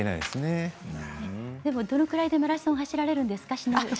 どのくらいでマラソン走られるんですか？